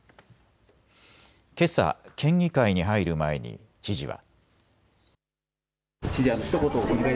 けさ県議会に入る前に知事は。